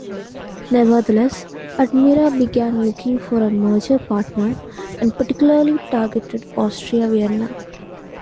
Nevertheless, Admira began looking for a merger partner, and particularly targeted Austria Vienna.